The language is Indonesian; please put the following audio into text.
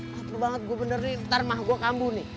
laper banget gue bener nih ntar mah gue kambuh nih